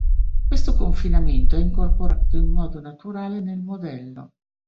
Questo confinamento è incorporato in modo naturale nel modello.